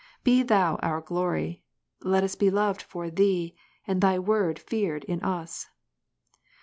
Be Thou our glory; let us be loved for Thee, and Thy word feared in us.